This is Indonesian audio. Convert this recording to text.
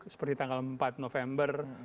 seperti tanggal empat november